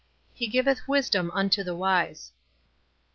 He giveth wisdom unto the wise."